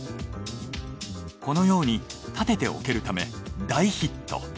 このように立てて置けるため大ヒット。